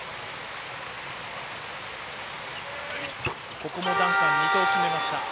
ここもダンカン、２投決めました。